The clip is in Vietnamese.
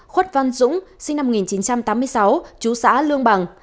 khuất văn dũng sinh năm một nghìn chín trăm tám mươi sáu trú tại xã lương bằng